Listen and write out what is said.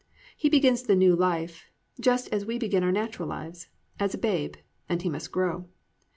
He begins the new life just as we begin our natural lives, as a babe, and he must grow.